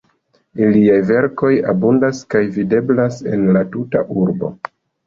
Iliaj verkoj abundas kaj videblas en la tuta urbo.